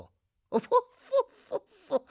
フォッフォッフォッフォッ。